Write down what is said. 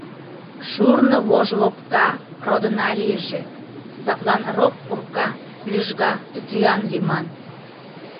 Шурно вож лопка, родына лийже, садлан рок пурка, лӱжга, тӱтӱан лийман.